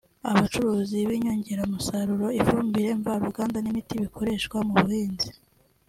abacuruzi b’inyongeramusaruro (ifumbire mvaruganda n’imiti bikoreshwa mu buhinzi)